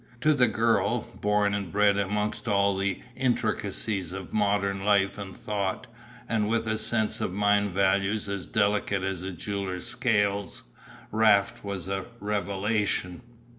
To the girl, born and bred amongst all the intricacies of modern life and thought, and with a sense of mind values as delicate as a jeweller's scales, Raft was a revelation.